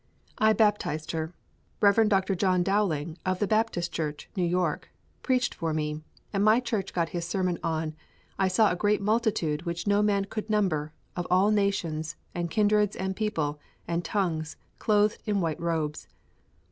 I baptised her. Rev. Dr. John Dowling, of the Baptist Church, New York, preached for me and my church his great sermon on, "I saw a great multitude which no man could number, of all nations, and kindreds, and people, and tongues, clothed in white robes."